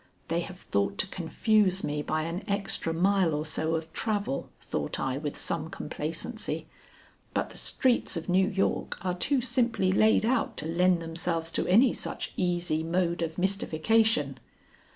"They have thought to confuse me by an extra mile or so of travel," thought I, with some complacency, "but the streets of New York are too simply laid out to lend themselves to any such easy mode of mystification."